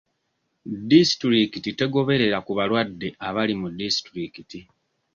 Disitulikiti tegoberera ku balwadde abali mu disitulikiti.